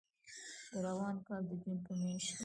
د روان کال د جون په میاشت کې